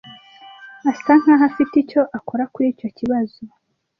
Asa nkaho afite icyo akora kuri icyo kibazo.